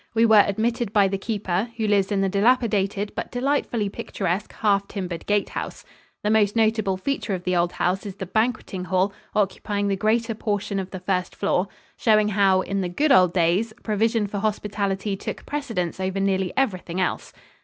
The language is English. We were admitted by the keeper, who lives in the dilapidated but delightfully picturesque half timbered gatehouse. The most notable feature of the old house is the banqueting hall occupying the greater portion of the first floor, showing how, in the good old days, provision for hospitality took precedence over nearly everything else.